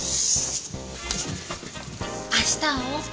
明日会おう。